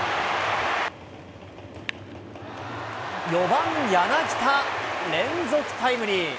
４番柳田、連続タイムリー。